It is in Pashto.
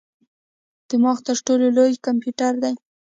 دماغ تر ټولو لوی کمپیوټر دی.